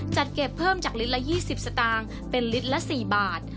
จัดเก็บเพิ่มจากลิตรละ๒๐สตางค์เป็นลิตรละ๔บาท